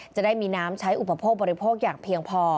จะได้มีน้ำใช้อุปโภคบริโภคอย่างเพียงพอ